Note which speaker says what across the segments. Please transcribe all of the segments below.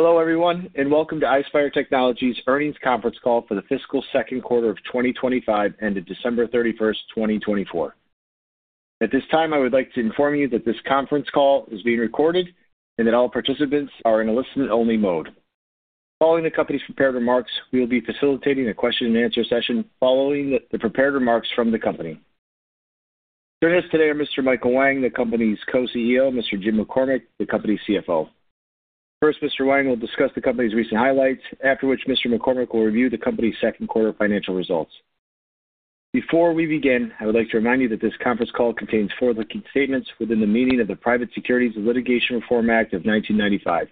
Speaker 1: Hello, everyone, and welcome to Ispire Technology's earnings conference call for the fiscal second quarter of 2025 ended December 31st, 2024. At this time, I would like to inform you that this conference call is being recorded and that all participants are in a listen-only mode. Following the company's prepared remarks, we will be facilitating a question-and-answer session following the prepared remarks from the company. Joining us today are Mr. Michael Wang, the company's co-CEO; Mr. Jim McCormick, the company's CFO. First, Mr. Wang will discuss the company's recent highlights, after which Mr. McCormick will review the company's second quarter financial results. Before we begin, I would like to remind you that this conference call contains forward-looking statements within the meaning of the Private Securities Litigation Reform Act of 1995.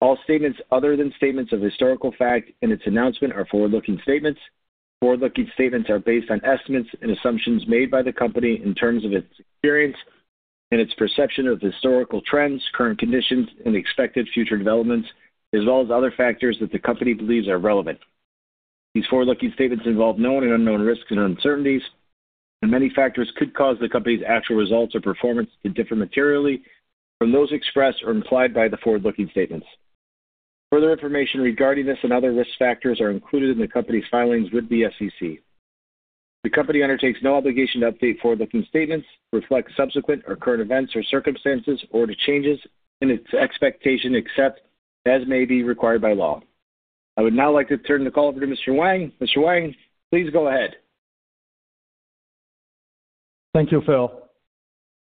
Speaker 1: All statements other than statements of historical fact in its announcement are forward-looking statements. Forward-looking statements are based on estimates and assumptions made by the company in terms of its experience and its perception of historical trends, current conditions, and expected future developments, as well as other factors that the company believes are relevant. These forward-looking statements involve known and unknown risks and uncertainties, and many factors could cause the company's actual results or performance to differ materially from those expressed or implied by the forward-looking statements. Further information regarding this and other risk factors are included in the company's filings with the SEC. The company undertakes no obligation to update forward-looking statements, reflect subsequent or current events or circumstances, or to change its expectation except as may be required by law. I would now like to turn the call over to Mr. Wang. Mr. Wang, please go ahead.
Speaker 2: Thank you, Phil.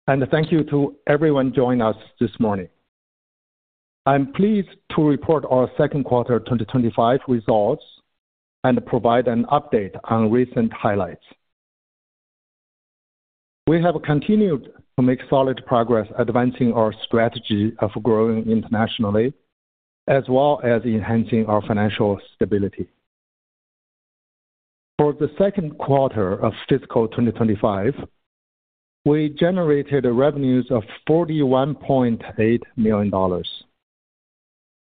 Speaker 2: Thank you to everyone joining us this morning. I'm pleased to report our second quarter 2025 results and provide an update on recent highlights. We have continued to make solid progress advancing our strategy of growing internationally, as well as enhancing our financial stability. For the second quarter of fiscal 2025, we generated revenues of $41.8 million.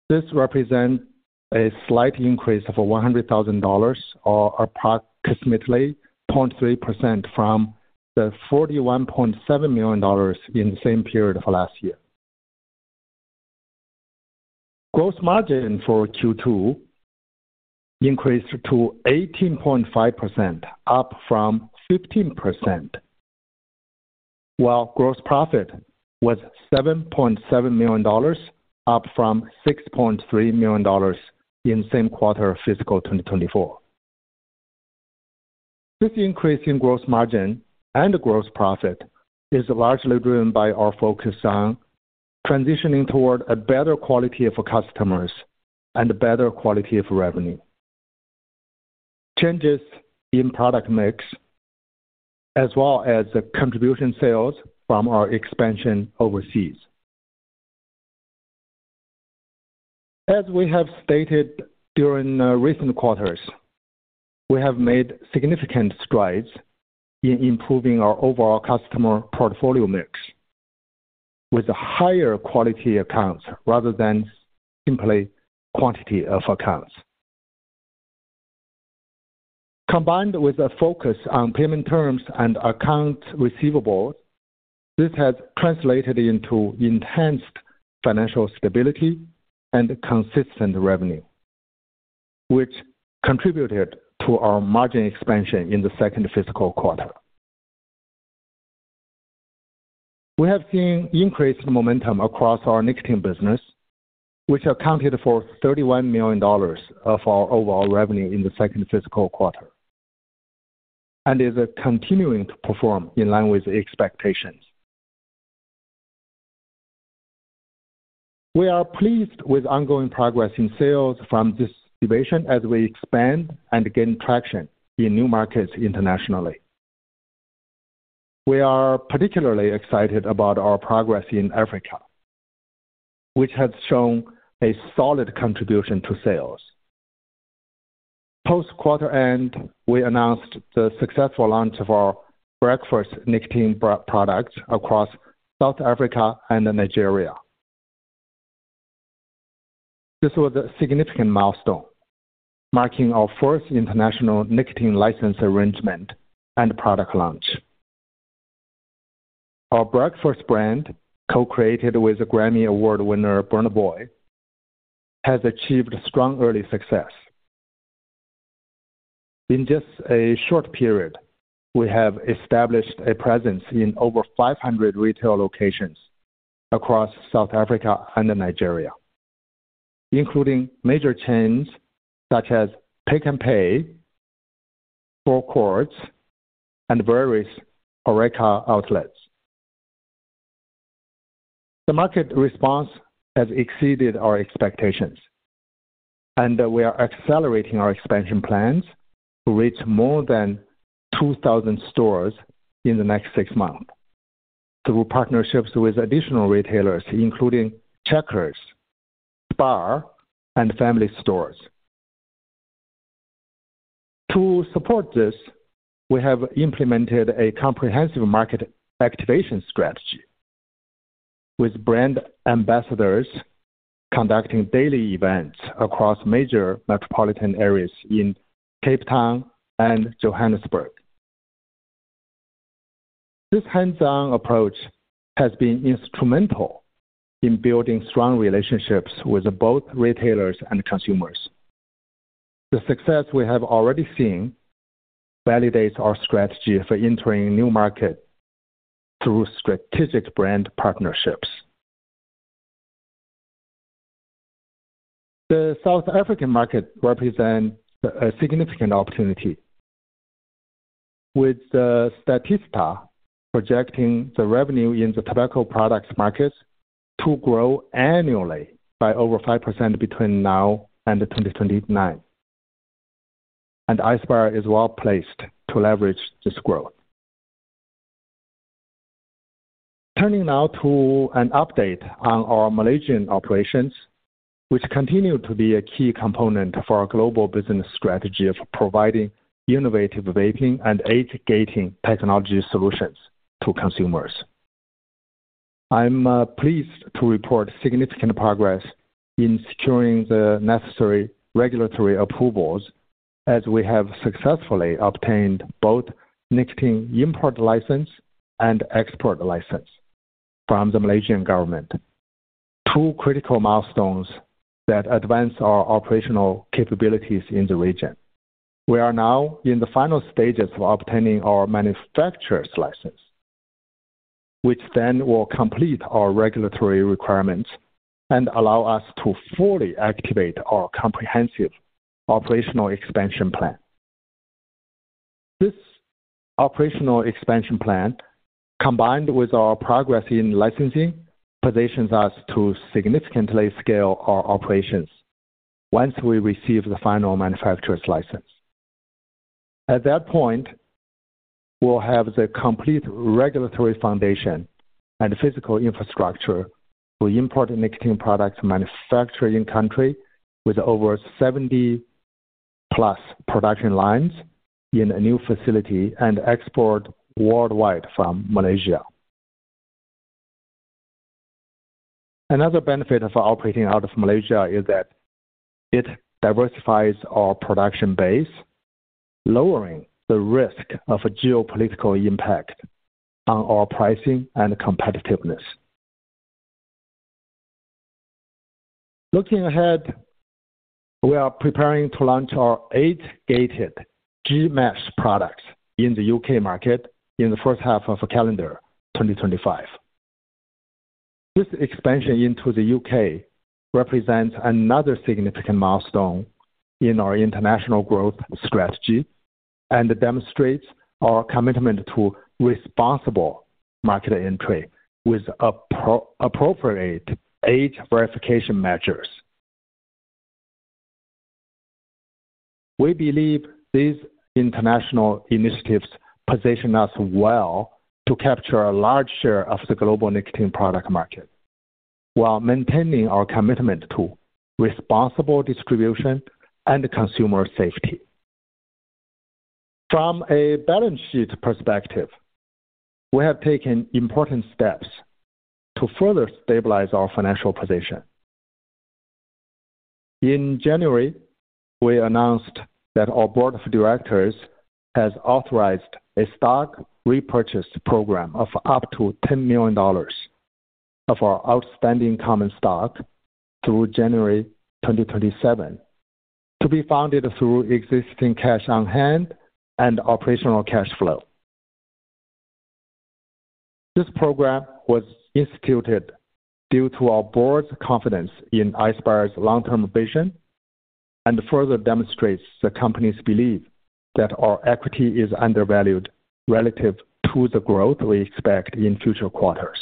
Speaker 2: This represents a slight increase of $100,000, or approximately 0.3% from the $41.7 million in the same period of last year. Gross margin for Q2 increased to 18.5%, up from 15%, while gross profit was $7.7 million, up from $6.3 million in the same quarter of fiscal 2024. This increase in gross margin and gross profit is largely driven by our focus on transitioning toward a better quality of customers and a better quality of revenue, changes in product mix, as well as contribution sales from our expansion overseas. As we have stated during recent quarters, we have made significant strides in improving our overall customer portfolio mix with higher quality accounts rather than simply quantity of accounts. Combined with a focus on payment terms and account receivables, this has translated into enhanced financial stability and consistent revenue, which contributed to our margin expansion in the second fiscal quarter. We have seen increased momentum across our nicotine business, which accounted for $31 million of our overall revenue in the second fiscal quarter, and is continuing to perform in line with expectations. We are pleased with ongoing progress in sales from this division as we expand and gain traction in new markets internationally. We are particularly excited about our progress in Africa, which has shown a solid contribution to sales. Post-quarter end, we announced the successful launch of our Breakfast nicotine products across South Africa and Nigeria. This was a significant milestone, marking our first international nicotine license arrangement and product launch. Our Breakfast brand, co-created with Grammy Award winner Burna Boy, has achieved strong early success. In just a short period, we have established a presence in over 500 retail locations across South Africa and Nigeria, including major chains such as Pick n Pay, Four Quarts, and various ORECA outlets. The market response has exceeded our expectations, and we are accelerating our expansion plans to reach more than 2,000 stores in the next six months through partnerships with additional retailers, including Checkers, Spar, and Family Stores. To support this, we have implemented a comprehensive market activation strategy, with brand ambassadors conducting daily events across major metropolitan areas in Cape Town and Johannesburg. This hands-on approach has been instrumental in building strong relationships with both retailers and consumers. The success we have already seen validates our strategy for entering new markets through strategic brand partnerships. The South African market represents a significant opportunity, with Statista projecting the revenue in the tobacco products market to grow annually by over 5% between now and 2029. Ispire is well placed to leverage this growth. Turning now to an update on our Malaysian operations, which continue to be a key component for our global business strategy of providing innovative vaping and age-gating technology solutions to consumers. I'm pleased to report significant progress in securing the necessary regulatory approvals as we have successfully obtained both nicotine import license and export license from the Malaysian government, two critical milestones that advance our operational capabilities in the region. We are now in the final stages of obtaining our manufacturer's license, which then will complete our regulatory requirements and allow us to fully activate our comprehensive operational expansion plan. This operational expansion plan, combined with our progress in licensing, positions us to significantly scale our operations once we receive the final manufacturer's license. At that point, we'll have the complete regulatory foundation and physical infrastructure to import nicotine products manufactured in-country with over 70-plus production lines in a new facility and export worldwide from Malaysia. Another benefit of operating out of Malaysia is that it diversifies our production base, lowering the risk of geopolitical impact on our pricing and competitiveness. Looking ahead, we are preparing to launch our age-gated GMASH products in the U.K. market in the first half of calendar 2025. This expansion into the U.K. represents another significant milestone in our international growth strategy and demonstrates our commitment to responsible market entry with appropriate age verification measures. We believe these international initiatives position us well to capture a large share of the global nicotine product market while maintaining our commitment to responsible distribution and consumer safety. From a balance sheet perspective, we have taken important steps to further stabilize our financial position. In January, we announced that our board of directors has authorized a stock repurchase program of up to $10 million of our outstanding common stock through January 2027 to be funded through existing cash on hand and operational cash flow. This program was instituted due to our board's confidence in Ispire's long-term vision and further demonstrates the company's belief that our equity is undervalued relative to the growth we expect in future quarters.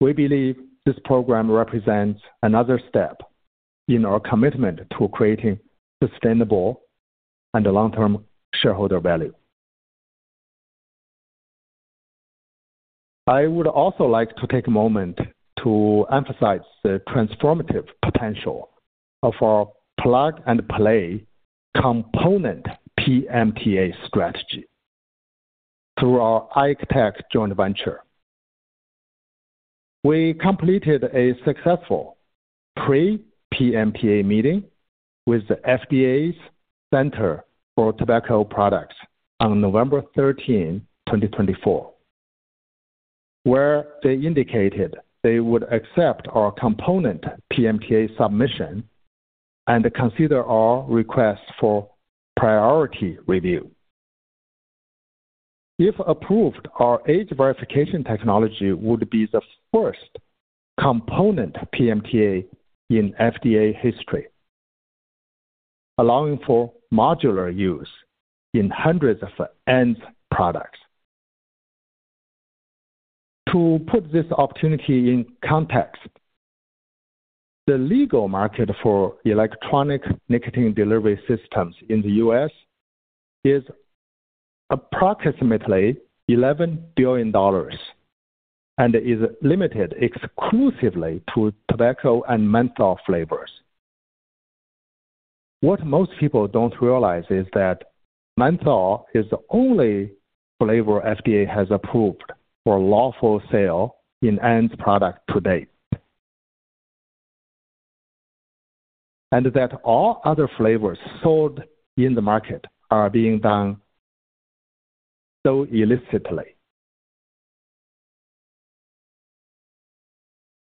Speaker 2: We believe this program represents another step in our commitment to creating sustainable and long-term shareholder value. I would also like to take a moment to emphasize the transformative potential of our plug-and-play component PMTA strategy through our ICTECH joint venture. We completed a successful pre-PMTA meeting with the FDA's Center for Tobacco Products on November 13, 2024, where they indicated they would accept our component PMTA submission and consider our request for priority review. If approved, our age verification technology would be the first component PMTA in FDA history, allowing for modular use in hundreds of end products. To put this opportunity in context, the legal market for electronic nicotine delivery systems in the U.S. is approximately $11 billion and is limited exclusively to tobacco and menthol flavors. What most people do not realize is that menthol is the only flavor FDA has approved for lawful sale in end product today, and that all other flavors sold in the market are being done so illicitly.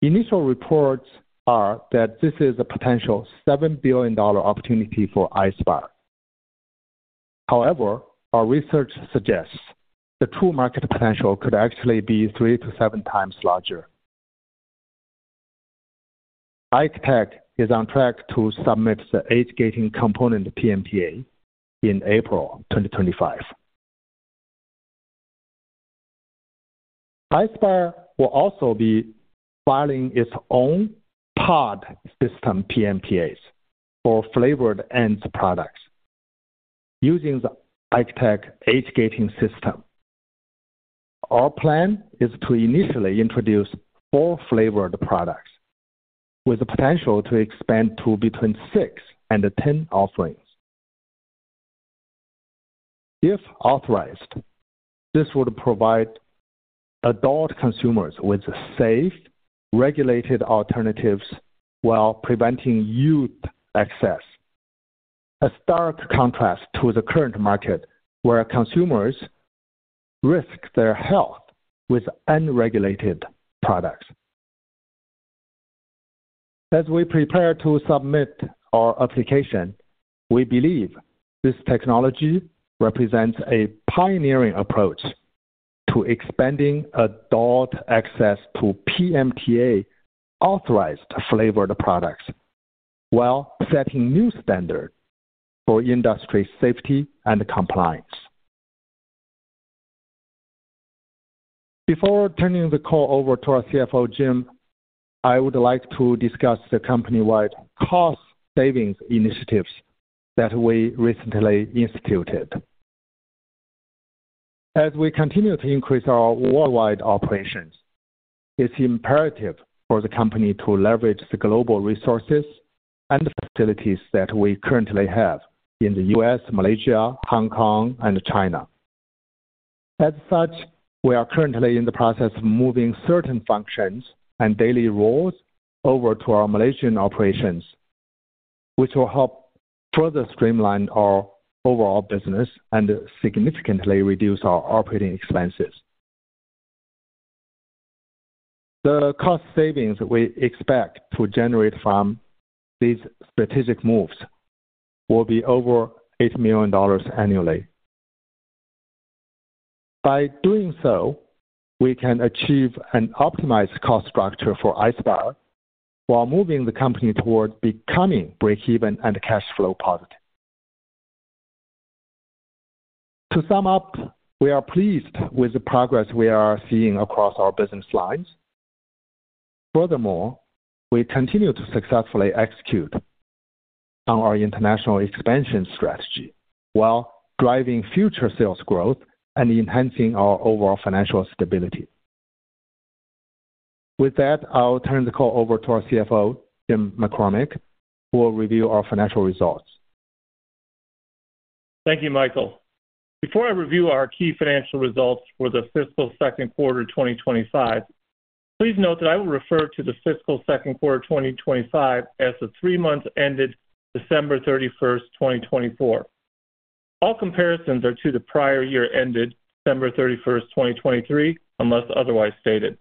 Speaker 2: Initial reports are that this is a potential $7 billion opportunity for Ispire. However, our research suggests the true market potential could actually be three to seven times larger. ICTECH is on track to submit the age gating component PMTA in April 2025. Ispire will also be filing its own pod system PMTAs for flavored end products using the ICTECH age gating system. Our plan is to initially introduce four flavored products with the potential to expand to between six and ten offerings. If authorized, this would provide adult consumers with safe, regulated alternatives while preventing youth access, a stark contrast to the current market where consumers risk their health with unregulated products. As we prepare to submit our application, we believe this technology represents a pioneering approach to expanding adult access to PMTA authorized flavored products while setting new standards for industry safety and compliance. Before turning the call over to our CFO, Jim, I would like to discuss the company-wide cost savings initiatives that we recently instituted. As we continue to increase our worldwide operations, it's imperative for the company to leverage the global resources and facilities that we currently have in the U.S., Malaysia, Hong Kong, and China. As such, we are currently in the process of moving certain functions and daily roles over to our Malaysian operations, which will help further streamline our overall business and significantly reduce our operating expenses. The cost savings we expect to generate from these strategic moves will be over $8 million annually. By doing so, we can achieve an optimized cost structure for Ispire while moving the company toward becoming break-even and cash flow positive. To sum up, we are pleased with the progress we are seeing across our business lines. Furthermore, we continue to successfully execute on our international expansion strategy while driving future sales growth and enhancing our overall financial stability. With that, I'll turn the call over to our CFO, Jim McCormick, who will review our financial results.
Speaker 3: Thank you, Michael. Before I review our key financial results for the fiscal second quarter 2025, please note that I will refer to the fiscal second quarter 2025 as the three months ended December 31st, 2024. All comparisons are to the prior year ended December 31st, 2023, unless otherwise stated.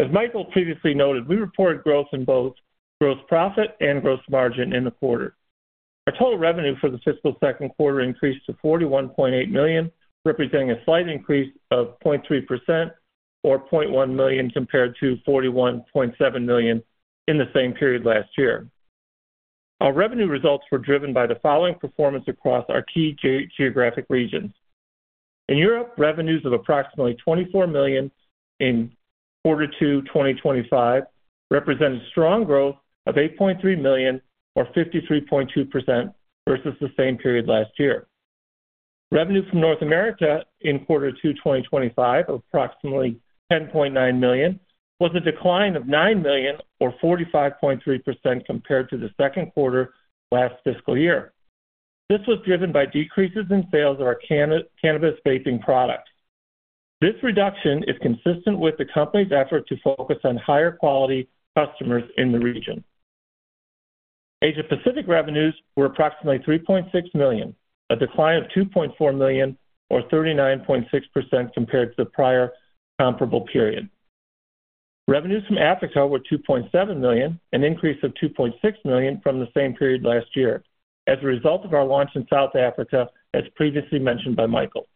Speaker 3: As Michael previously noted, we reported growth in both gross profit and gross margin in the quarter. Our total revenue for the fiscal second quarter increased to $41.8 million, representing a slight increase of 0.3% or $0.1 million compared to $41.7 million in the same period last year. Our revenue results were driven by the following performance across our key geographic regions. In Europe, revenues of approximately $24 million in quarter two 2025 represented strong growth of $8.3 million or 53.2% versus the same period last year. Revenue from North America in quarter two 2025 of approximately $10.9 million was a decline of $9 million or 45.3% compared to the second quarter last fiscal year. This was driven by decreases in sales of our cannabis vaping products. This reduction is consistent with the company's effort to focus on higher quality customers in the region. Asia-Pacific revenues were approximately $3.6 million, a decline of $2.4 million or 39.6% compared to the prior comparable period. Revenues from Africa were $2.7 million, an increase of $2.6 million from the same period last year, as a result of our launch in South Africa, as previously mentioned by Michael.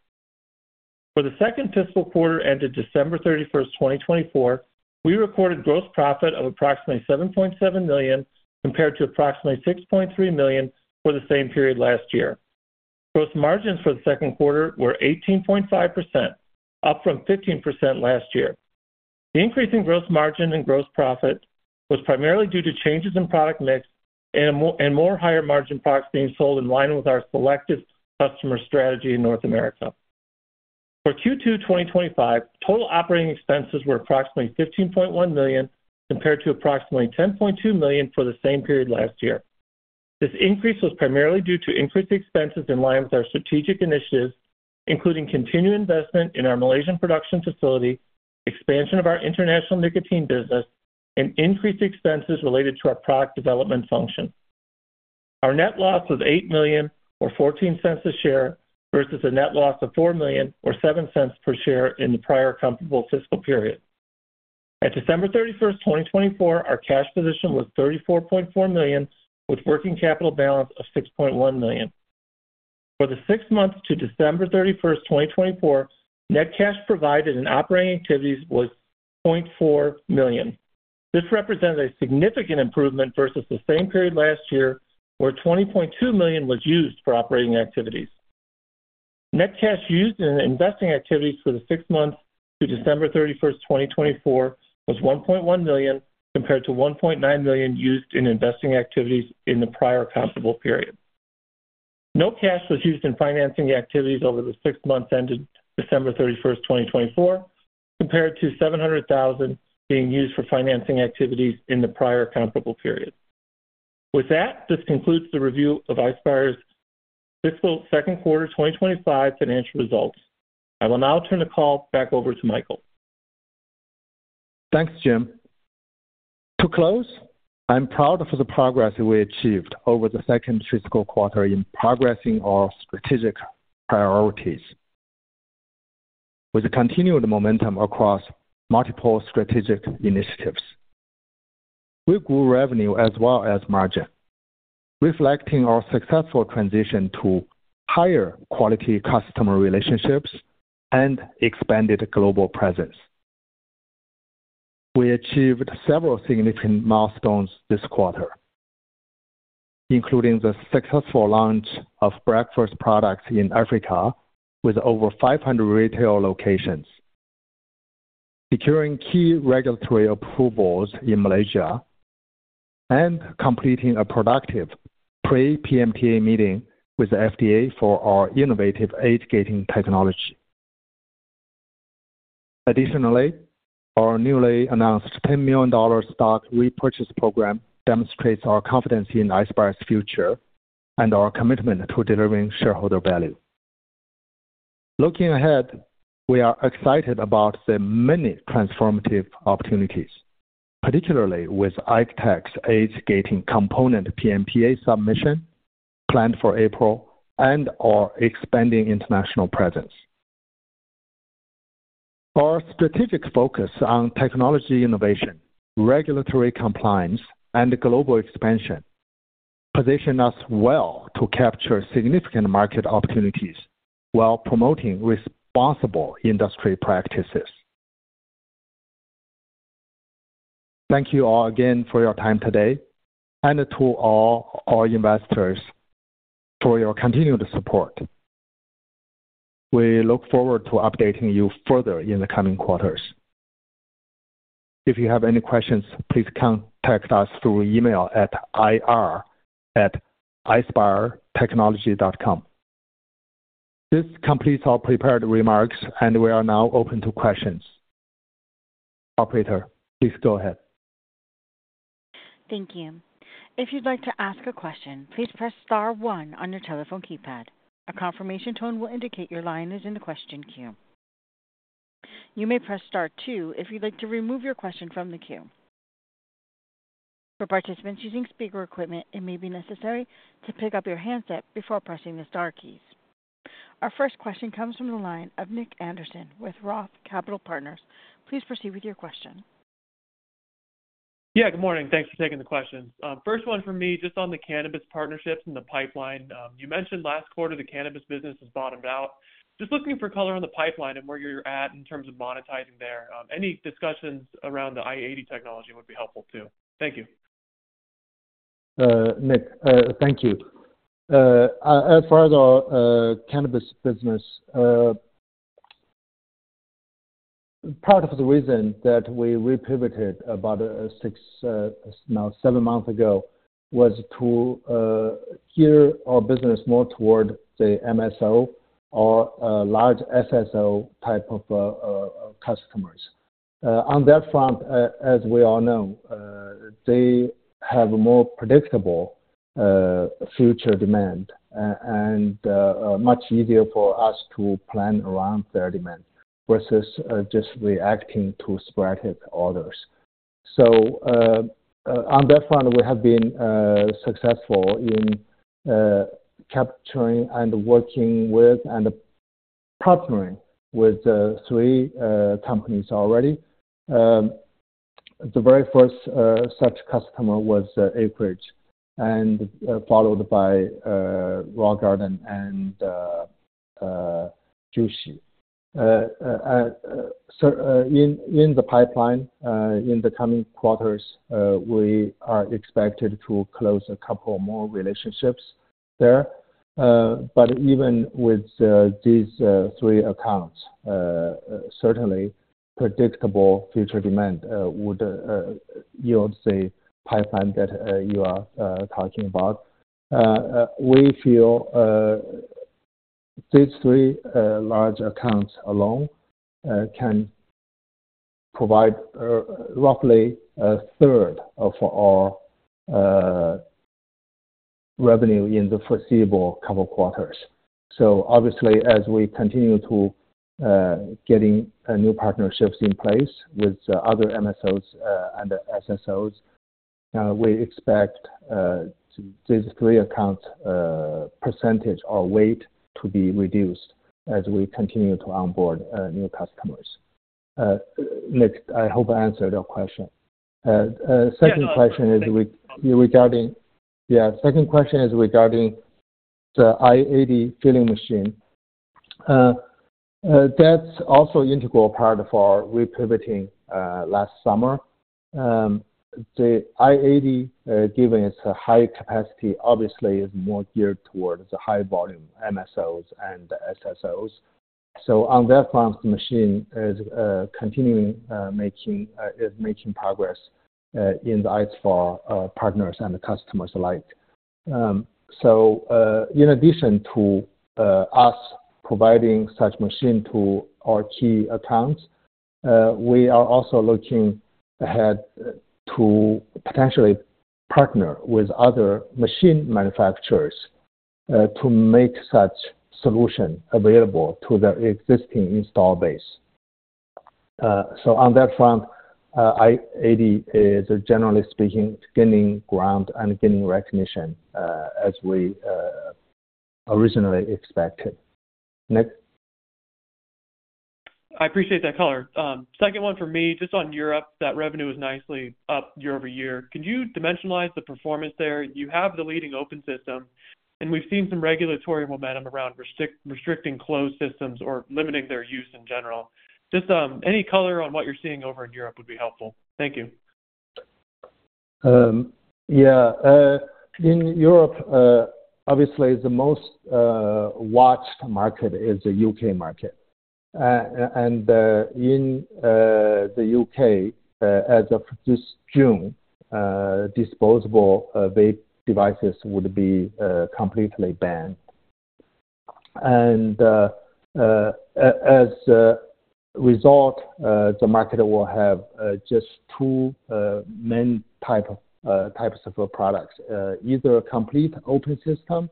Speaker 3: For the second fiscal quarter ended December 31st, 2024, we recorded gross profit of approximately $7.7 million compared to approximately $6.3 million for the same period last year. Gross margins for the second quarter were 18.5%, up from 15% last year. The increase in gross margin and gross profit was primarily due to changes in product mix and more higher margin products being sold in line with our selective customer strategy in North America. For Q2 2025, total operating expenses were approximately $15.1 million compared to approximately $10.2 million for the same period last year. This increase was primarily due to increased expenses in line with our strategic initiatives, including continued investment in our Malaysian production facility, expansion of our international nicotine business, and increased expenses related to our product development function. Our net loss was $8 million or $0.14 a share versus a net loss of $4 million or $0.07 per share in the prior comparable fiscal period. At December 31st, 2024, our cash position was $34.4 million, with a working capital balance of $6.1 million. For the six months to December 31st, 2024, net cash provided in operating activities was $0.4 million. This represented a significant improvement versus the same period last year, where $20.2 million was used for operating activities. Net cash used in investing activities for the six months to December 31st, 2024, was $1.1 million compared to $1.9 million used in investing activities in the prior comparable period. No cash was used in financing activities over the six months ended December 31st, 2024, compared to $700,000 being used for financing activities in the prior comparable period. With that, this concludes the review of Ispire's fiscal second quarter 2025 financial results. I will now turn the call back over to Michael.
Speaker 2: Thanks, Jim. To close, I'm proud of the progress we achieved over the second fiscal quarter in progressing our strategic priorities with a continued momentum across multiple strategic initiatives. We grew revenue as well as margin, reflecting our successful transition to higher quality customer relationships and expanded global presence. We achieved several significant milestones this quarter, including the successful launch of Breakfast products in Africa with over 500 retail locations, securing key regulatory approvals in Malaysia, and completing a productive pre-PMTA meeting with the FDA for our innovative age gating technology. Additionally, our newly announced $10 million stock repurchase program demonstrates our confidence in Ispire's future and our commitment to delivering shareholder value. Looking ahead, we are excited about the many transformative opportunities, particularly with ICTECH's age gating component PMTA submission planned for April and our expanding international presence. Our strategic focus on technology innovation, regulatory compliance, and global expansion positions us well to capture significant market opportunities while promoting responsible industry practices. Thank you all again for your time today, and to all our investors for your continued support. We look forward to updating you further in the coming quarters. If you have any questions, please contact us through email at ir@ispiretechnology.com. This completes our prepared remarks, and we are now open to questions. Operator, please go ahead.
Speaker 4: Thank you. If you'd like to ask a question, please press star one on your telephone keypad. A confirmation tone will indicate your line is in the question queue. You may press star two if you'd like to remove your question from the queue. For participants using speaker equipment, it may be necessary to pick up your handset before pressing the star keys. Our first question comes from the line of Nick Anderson with Roth Capital Partners. Please proceed with your question.
Speaker 5: Yeah, good morning. Thanks for taking the questions. First one for me, just on the cannabis partnerships and the pipeline. You mentioned last quarter the cannabis business has bottomed out. Just looking for color on the pipeline and where you're at in terms of monetizing there. Any discussions around the I-80 technology would be helpful too. Thank you.
Speaker 2: Nick, thank you. As far as our cannabis business, part of the reason that we repivoted about six, now seven months ago, was to gear our business more toward the MSO or large SSO type of customers. On that front, as we all know, they have more predictable future demand and much easier for us to plan around their demand versus just reacting to sporadic orders. On that front, we have been successful in capturing and working with and partnering with three companies already. The very first such customer was Acridge, followed by Raw Garden and Jushi. In the pipeline, in the coming quarters, we are expected to close a couple more relationships there. Even with these three accounts, certainly predictable future demand would yield the pipeline that you are talking about. We feel these three large accounts alone can provide roughly a third of our revenue in the foreseeable couple of quarters. As we continue to get new partnerships in place with other MSOs and SSOs, we expect these three accounts' percentage or weight to be reduced as we continue to onboard new customers. Nick, I hope I answered your question. Second question is regarding the I-80 filling machine. That's also an integral part of our repivoting last summer. The I-80, given its high capacity, obviously is more geared towards the high-volume MSOs and SSOs. On that front, the machine is continuing to make progress in the eyes of our partners and customers alike. In addition to us providing such a machine to our key accounts, we are also looking ahead to potentially partner with other machine manufacturers to make such a solution available to their existing install base. On that front, I-80 is, generally speaking, gaining ground and gaining recognition as we originally expected. Nick?
Speaker 5: I appreciate that color. Second one for me, just on Europe, that revenue is nicely up year over year. Can you dimensionalize the performance there? You have the leading open system, and we have seen some regulatory momentum around restricting closed systems or limiting their use in general. Any color on what you are seeing over in Europe would be helpful. Thank you.
Speaker 2: Yeah. In Europe, obviously, the most watched market is the U.K. market. In the U.K., as of this June, disposable vape devices would be completely banned. As a result, the market will have just two main types of products: either a complete open system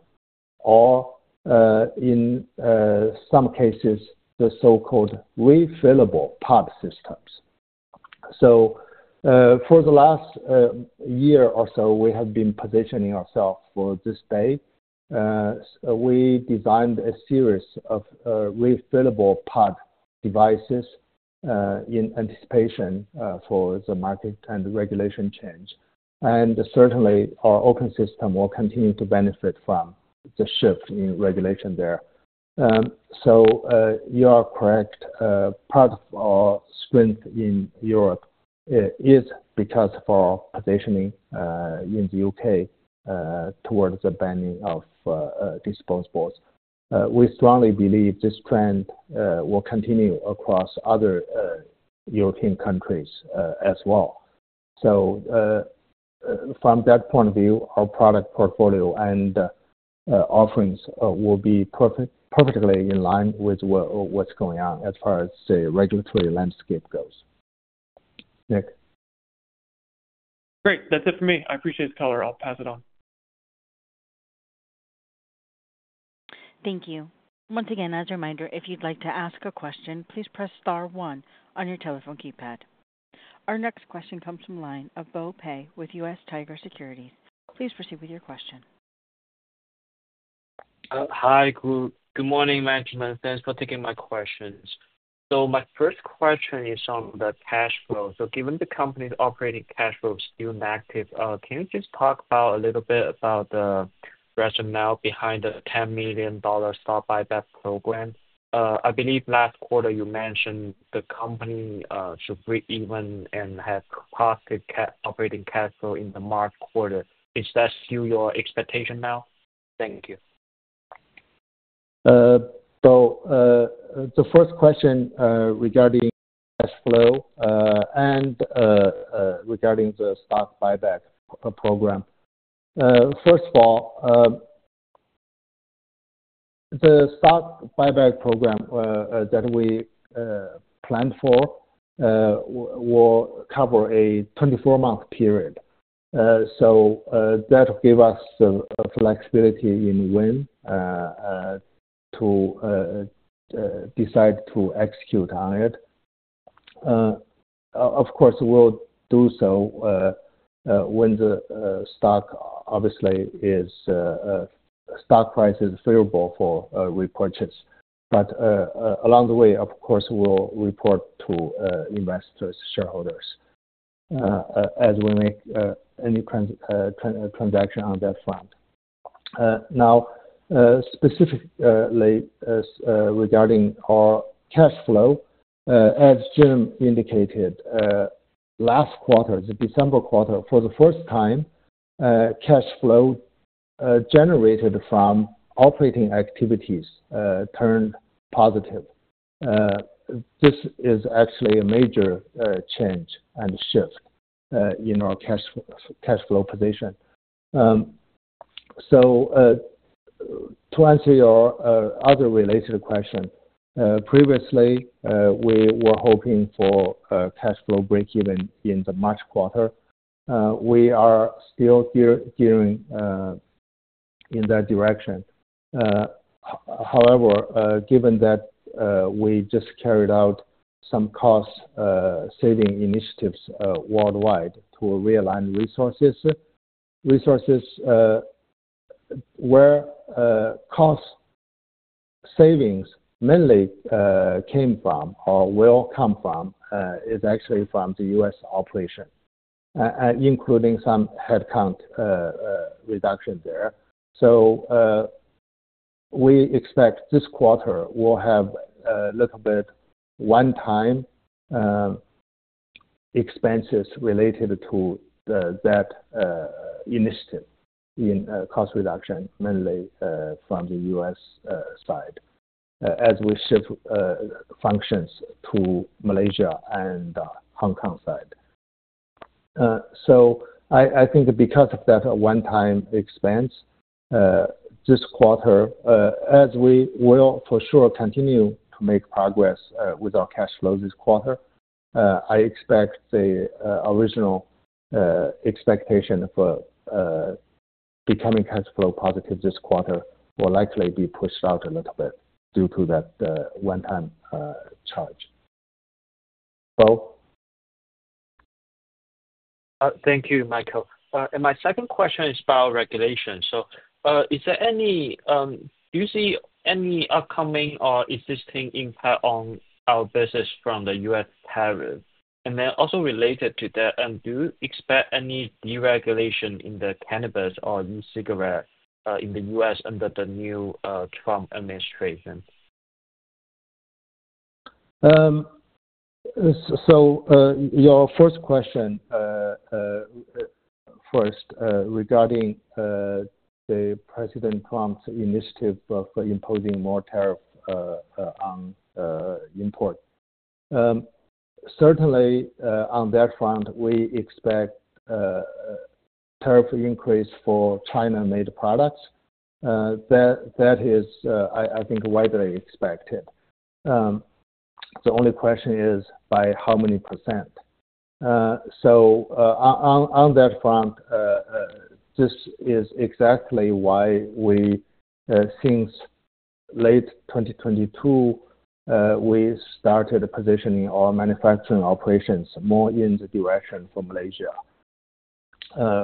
Speaker 2: or, in some cases, the so-called refillable pod systems. For the last year or so, we have been positioning ourselves for this day. We designed a series of refillable pod devices in anticipation for the market and regulation change. Certainly, our open system will continue to benefit from the shift in regulation there. You are correct. Part of our strength in Europe is because of our positioning in the U.K. towards the banning of disposables. We strongly believe this trend will continue across other European countries as well. From that point of view, our product portfolio and offerings will be perfectly in line with what is going on as far as the regulatory landscape goes. Nick?
Speaker 5: Great.That is it for me. I appreciate the color. I'll pass it on.
Speaker 4: Thank you. Once again, as a reminder, if you'd like to ask a question, please press star one on your telephone keypad. Our next question comes from line of Bo Pay with US Tiger Securities. Please proceed with your question.
Speaker 6: Hi. Good morning, Benjamin. Thanks for taking my questions. My first question is on the cash flow. Given the company's operating cash flow is still negative, can you just talk a little bit about the rationale behind the $10 million stock buyback program? I believe last quarter you mentioned the company should break even and have positive operating cash flow in the March quarter. Is that still your expectation now? Thank you.
Speaker 2: The first question regarding cash flow and regarding the stock buyback program. First of all, the stock buyback program that we planned for will cover a 24-month period. That will give us flexibility in when to decide to execute on it. Of course, we'll do so when the stock, obviously, stock price is favorable for repurchase. Along the way, of course, we'll report to investors, shareholders, as we make any transaction on that front. Now, specifically regarding our cash flow, as Jim indicated, last quarter, the December quarter, for the first time, cash flow generated from operating activities turned positive. This is actually a major change and shift in our cash flow position. To answer your other related question, previously, we were hoping for cash flow break-even in the March quarter. We are still gearing in that direction. However, given that we just carried out some cost-saving initiatives worldwide to realign resources, where cost savings mainly came from or will come from is actually from the U.S. operation, including some headcount reduction there. We expect this quarter will have a little bit one-time expenses related to that initiative in cost reduction, mainly from the U.S. side, as we shift functions to Malaysia and Hong Kong side. I think because of that one-time expense, this quarter, as we will for sure continue to make progress with our cash flow this quarter, I expect the original expectation for becoming cash flow positive this quarter will likely be pushed out a little bit due to that one-time charge. Bo?
Speaker 6: Thank you, Michael. My second question is about regulation. Is there any, do you see any upcoming or existing impact on our business from the U.S. tariff? Also related to that, do you expect any deregulation in the cannabis or e-cigarette in the U.S. under the new Trump administration?
Speaker 2: Your first question, first, regarding President Trump's initiative of imposing more tariff on import. Certainly, on that front, we expect tariff increase for China-made products. That is, I think, widely expected. The only question is by how many percent. On that front, this is exactly why we, since late 2022, started positioning our manufacturing operations more in the direction for Malaysia.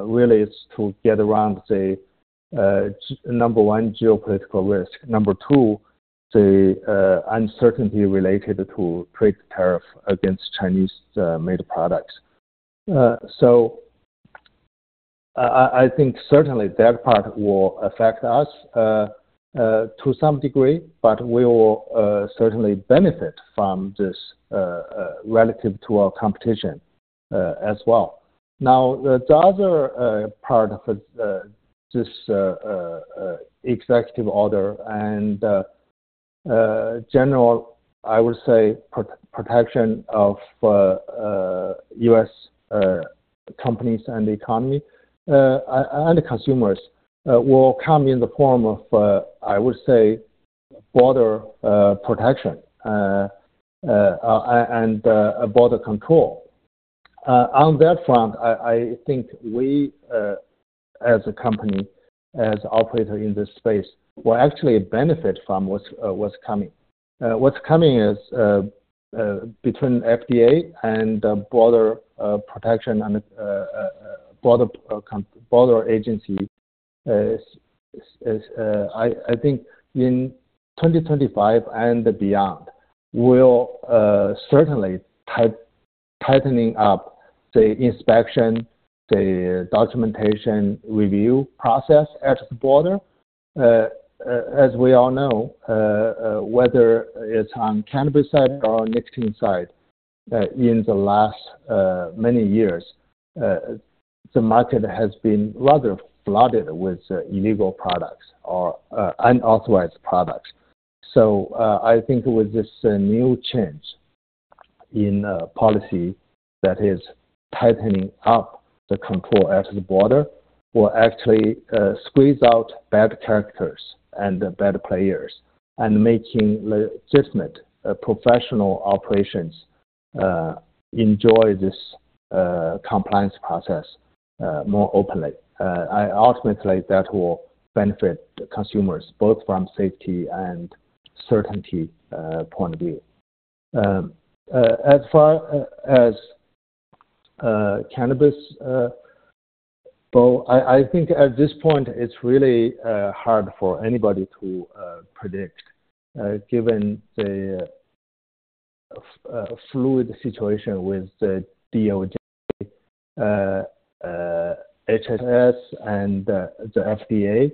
Speaker 2: Really, it's to get around the number one geopolitical risk. Number two, the uncertainty related to trade tariff against Chinese-made products. I think certainly that part will affect us to some degree, but we will certainly benefit from this relative to our competition as well. Now, the other part of this executive order and general, I would say, protection of U.S. companies and the economy and consumers will come in the form of, I would say, border protection and border control. On that front, I think we, as a company, as operators in this space, will actually benefit from what's coming. What's coming is between FDA and border protection and border agency. I think in 2025 and beyond, we'll certainly tighten up the inspection, the documentation review process at the border. As we all know, whether it's on the cannabis side or nicotine side, in the last many years, the market has been rather flooded with illegal products or unauthorized products. I think with this new change in policy that is tightening up the control at the border, we'll actually squeeze out bad characters and bad players and make legitimate professional operations enjoy this compliance process more openly. Ultimately, that will benefit consumers both from safety and certainty point of view. As far as cannabis, Bo? I think at this point, it's really hard for anybody to predict given the fluid situation with the DOJ, HHS, and the FDA,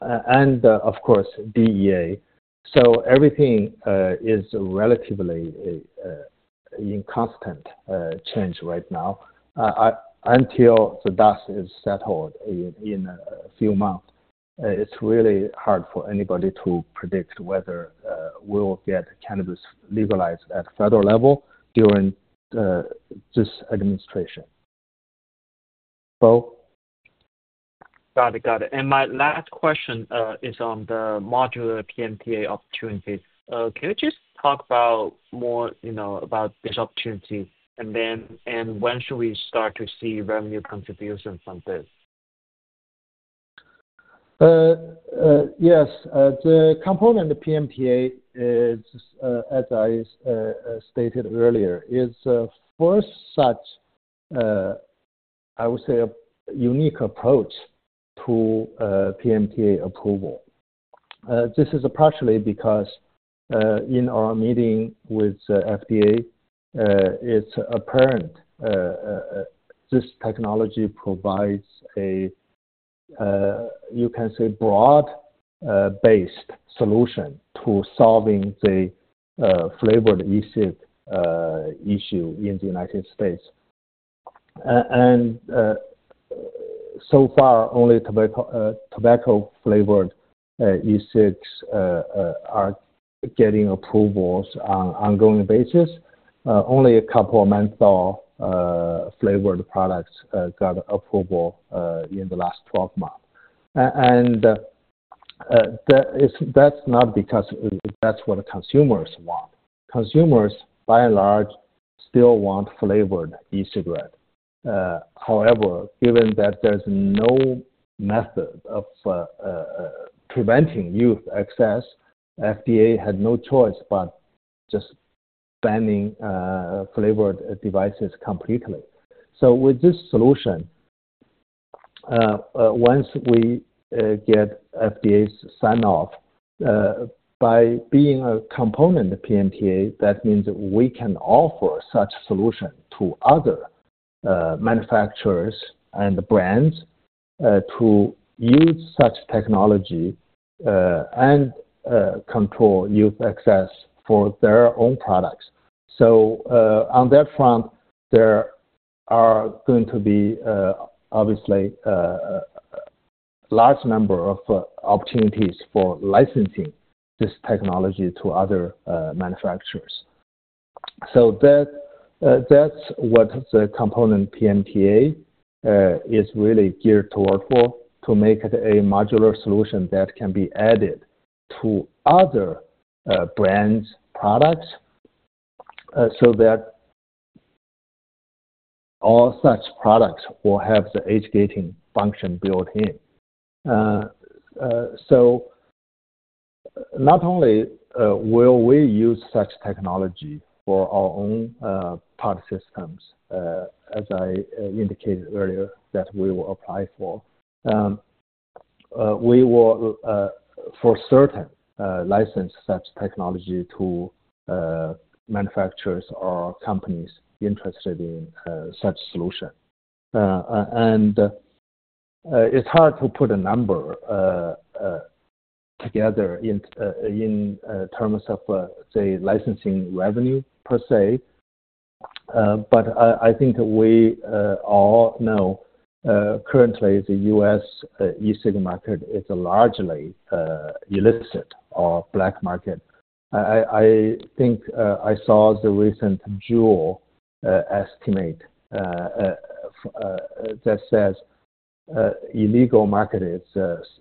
Speaker 2: and of course, DEA. Everything is relatively in constant change right now. Until the dust is settled in a few months, it's really hard for anybody to predict whether we'll get cannabis legalized at the federal level during this administration. Bo?
Speaker 6: Got it. Got it. My last question is on the modular PMTA opportunities. Can you just talk more about this opportunity and when should we start to see revenue contributions from this?
Speaker 2: Yes. The component of PMTA, as I stated earlier, is the first such, I would say, unique approach to PMTA approval. This is partially because in our meeting with FDA, it's apparent this technology provides a, you can say, broad-based solution to solving the flavored e-cig issue in the United States. So far, only tobacco-flavored e-cigs are getting approvals on an ongoing basis. Only a couple of menthol-flavored products got approval in the last 12 months. That is not because that is what consumers want. Consumers, by and large, still want flavored e-cigarette. However, given that there is no method of preventing youth access, FDA had no choice but just banning flavored devices completely. With this solution, once we get FDA's sign-off, by being a component of PMTA, that means we can offer such solution to other manufacturers and brands to use such technology and control youth access for their own products. On that front, there are going to be, obviously, a large number of opportunities for licensing this technology to other manufacturers. That's what the component PMTA is really geared toward for, to make it a modular solution that can be added to other brands' products so that all such products will have the age-gating function built in. Not only will we use such technology for our own pod systems, as I indicated earlier, that we will apply for, we will, for certain, license such technology to manufacturers or companies interested in such solution. It's hard to put a number together in terms of, say, licensing revenue per se. I think we all know currently the U.S. e-cig market is largely illicit or black market. I think I saw the recent Juul estimate that says illegal market is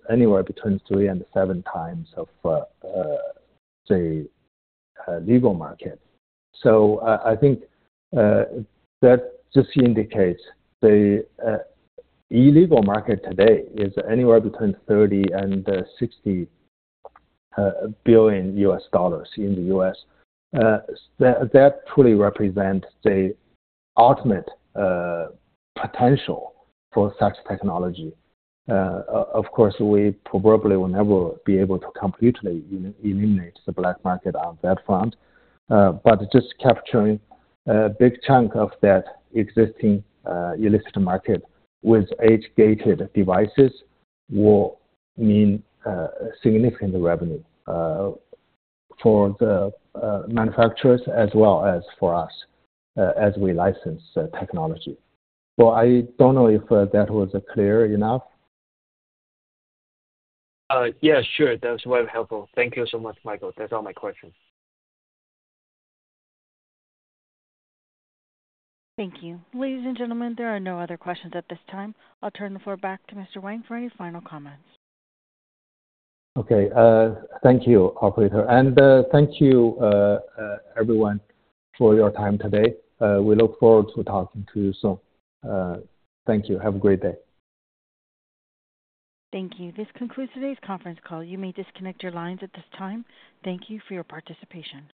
Speaker 2: anywhere between three and seven times of the legal market. I think that just indicates the illegal market today is anywhere between $30 billion and $60 billion in the U.S. That truly represents the ultimate potential for such technology. Of course, we probably will never be able to completely eliminate the black market on that front. Just capturing a big chunk of that existing illicit market with age-gated devices will mean significant revenue for the manufacturers as well as for us as we license the technology. I do not know if that was clear enough.
Speaker 6: Yeah. Sure. That was very helpful. Thank you so much, Michael. That is all my questions.
Speaker 4: Thank you. Ladies and gentlemen, there are no other questions at this time. I will turn the floor back to Mr. Wang for any final comments.
Speaker 2: Thank you, operator. Thank you, everyone, for your time today. We look forward to talking to you soon. Thank you. Have a great day.
Speaker 4: Thank you. This concludes today's conference call. You may disconnect your lines at this time. Thank you for your participation.